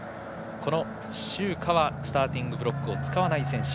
この周霞はスターティングブロック使わない選手。